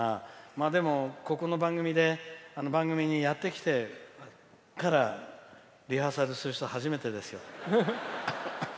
でも、ここの番組にやってきてからリハーサルする人初めてですよ。